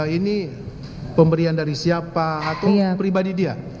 ini pemberian dari siapa atau pribadi dia